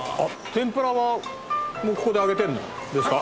天ぷらはここで揚げてるんですか？